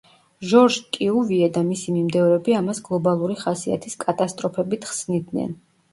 ჟორჟ კიუვიე და მისი მიმდევრები ამას გლობალური ხასიათის კატასტროფებით ხსნიდნენ.